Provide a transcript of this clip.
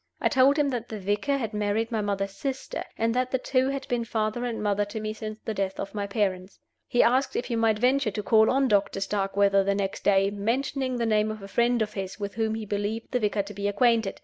I told him that the vicar had married my mother's sister, and that the two had been father and mother to me since the death of my parents. He asked if he might venture to call on Doctor Starkweather the next day, mentioning the name of a friend of his, with whom he believed the vicar to be acquainted.